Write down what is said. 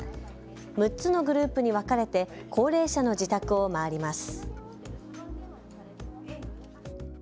６つのグループに分かれて高齢者の自宅を回ります。